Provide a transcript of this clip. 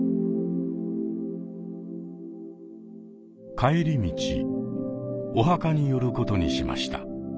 帰り道お墓に寄ることにしました。